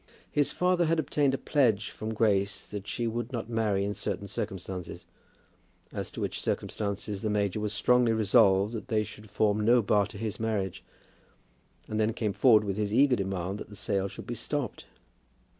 His father had obtained a pledge from Grace that she would not marry in certain circumstances, as to which circumstances the major was strongly resolved that they should form no bar to his marriage, and then came forward with his eager demand that the sale should be stopped!